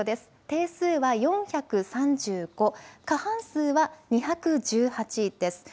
定数は４３５、過半数は２１８です。